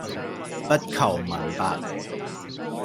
不求聞達